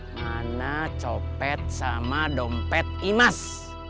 kamu perlu melihat